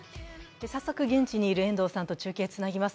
早速、現地にいる遠藤さんと中継をつなぎます。